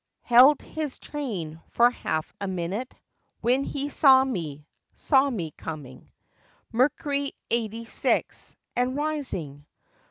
Held his train for half a minute When he saw me—saw me—coming. Mercury eighty six, and rising.